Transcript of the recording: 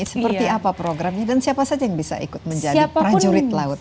seperti apa programnya dan siapa saja yang bisa ikut menjadi prajurit laut